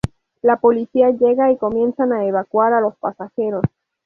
La policía llega y comienzan a evacuar a los pasajeros.